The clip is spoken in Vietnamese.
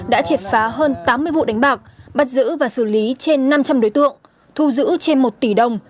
đã triệt phá hơn tám mươi vụ đánh bạc bắt giữ và xử lý trên năm trăm linh đối tượng thu giữ trên một tỷ đồng